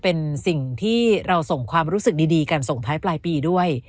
เป็นสิ่งที่เราส่งความรู้สึกดีกันส่งท้ายปลายปีด้วย